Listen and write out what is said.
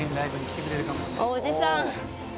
おじさん。